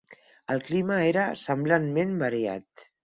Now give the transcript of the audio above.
El clima era semblantment variat.